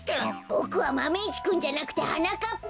ボクはマメ１くんじゃなくてはなかっぱ！